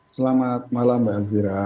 selamat malam mbak fira